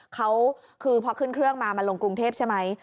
เขาคือพอขึ้นเครื่องมามาลงกรุงเทพใช่ไหม